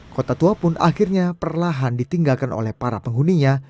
kota tua pun akhirnya perlahan ditinggalkan oleh para penghuninya